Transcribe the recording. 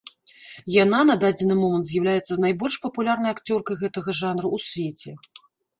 Яна на дадзены момант з'яўляецца найбольш папулярнай акцёркай гэтага жанру ў свеце.